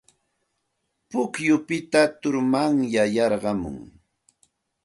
Pukyupita turmanyay yarqumun.